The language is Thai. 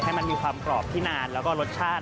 ให้มันมีความกรอบที่นานแล้วก็รสชาติ